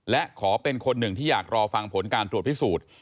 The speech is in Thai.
และขอเป็นคนหนึ่งที่อยากรอฟังผลการตรวจพิสูจน์